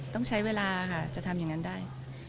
ต้องใช้เวลาค่ะจะทำอย่างนั้นได้